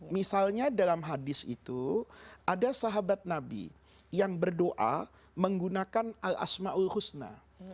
misalnya dalam hadis itu ada sahabat nabi yang berdoa menggunakan al asma'ul husna